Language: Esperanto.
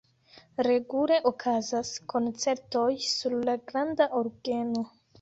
Regule okazas koncertoj sur la granda orgeno.